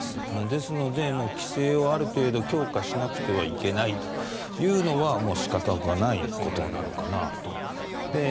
ですので、規制をある程度強化しなくてはいけないというのはもう仕方がないことなのかなと。